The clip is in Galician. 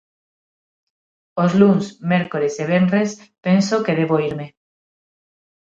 "Os luns, mércores e venres penso que debo irme;"